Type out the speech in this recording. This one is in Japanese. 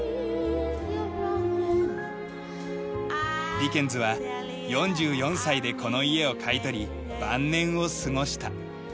ディケンズは４４歳でこの家を買い取り晩年を過ごした。